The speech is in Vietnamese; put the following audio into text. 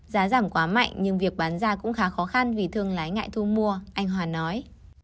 giá giảm quá mạnh nhưng việc bán ra cũng khá khó khăn vì thương lái ngại thu mua anh hoàn nói